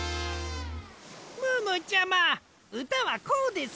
ムームーちゃまうたはこうです。